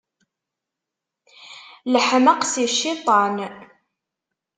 Leḥmeq, si cciṭan.